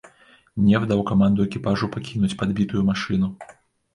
Неф даў каманду экіпажу пакінуць падбітую машыну.